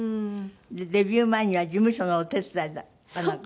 デビュー前には事務所のお手伝いか